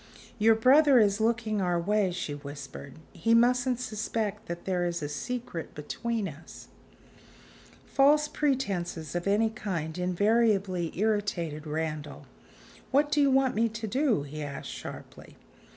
"Your brother is looking our way," she whispered: "he mustn't suspect that there is a secret between us." False pretenses of any kind invariably irritated Randal. "What do you want me to do?" he asked sharply.